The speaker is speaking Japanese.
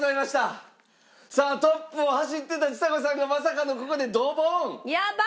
さあトップを走ってたちさ子さんがまさかのここでドボン！